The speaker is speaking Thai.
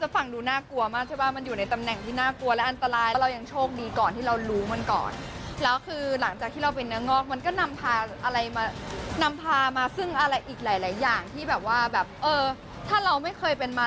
เพราะว่าเราเป็นคนที่ไปโรงพยาบาลจะไปฉีดยาแบบแก้โผล่หัวอยู่ดี